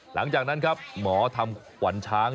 หลังจากนั้นครับหมอทำขวัญช้าง